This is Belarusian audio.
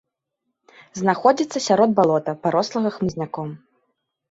Знаходзіцца сярод балота, парослага хмызняком.